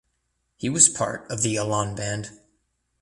He was part of the Alon band.